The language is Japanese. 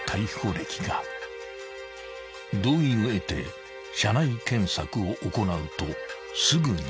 ［同意を得て車内検索を行うとすぐに］